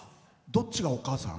どっちがお母さん？